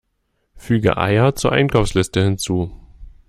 Füge Eier zur Einkaufsliste hinzu!